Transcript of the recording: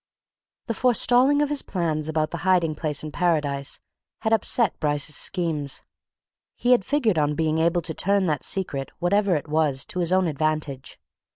The forestalling of his plans about the hiding place in Paradise had upset Bryce's schemes he had figured on being able to turn that secret, whatever it was, to his own advantage.